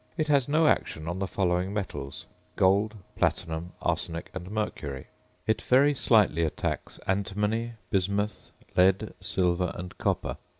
It has no action on the following metals: gold, platinum, arsenic, and mercury; it very slightly attacks antimony, bismuth, lead, silver, and copper.